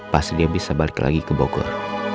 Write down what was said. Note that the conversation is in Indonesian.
pas dia bisa balik lagi ke bogor